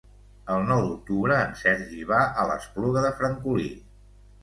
El nou d'octubre en Sergi va a l'Espluga de Francolí.